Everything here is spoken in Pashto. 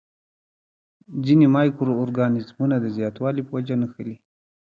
ځینې مایکرو ارګانیزمونه د زیاتوالي په وجه نښلي.